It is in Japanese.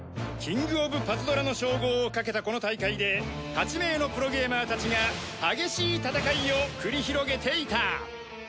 キング・オブ・パズドラの称号をかけたこの大会で８名のプロゲーマーたちが激しい戦いを繰り広げていた。